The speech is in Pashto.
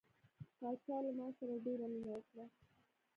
پاچا له ما سره ډیره مینه وکړه.